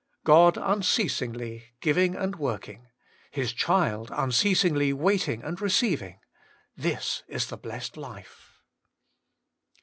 God unceasingly giving and working ; His cMld unceasingly waiting and leceiving * this is the blessed life.